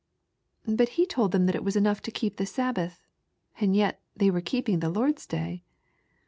"But he told them it was enough to keep the Sabbath, and yet they were keeping the Lord's Day.